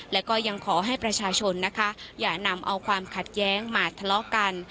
และก็ยังขอให้ประชาชนนะคะอย่านำเอาความขัดแย้งมาทะเลาะกัน